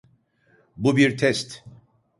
Bu bir test.